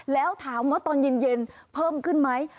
แล้วถามว่าตอนเย็นเพิ่มขึ้นไหม